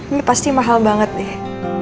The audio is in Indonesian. ini pasti mahal banget nih